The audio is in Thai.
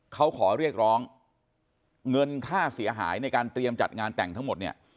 เขาขอเรียกร้องเงินค่าเสียหายในการเตรียมจัดงานแต่งทั้งหมดเนี่ย